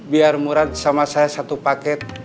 biar murah sama saya satu paket